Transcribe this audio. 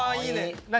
何？